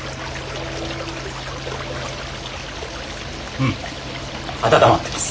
うん温まってます。